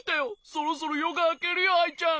そろそろよがあけるよアイちゃん。